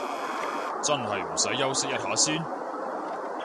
真係唔使休息一下先？